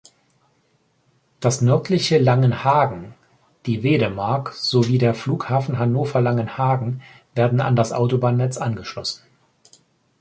Das nördliche Langenhagen, die Wedemark sowie der Flughafen Hannover-Langenhagen werden an das Autobahnnetz angeschlossen.